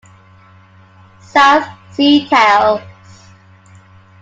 "South Sea Tales"